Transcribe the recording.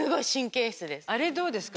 あれどうですか？